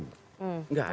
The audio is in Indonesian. enggak ada yang klaim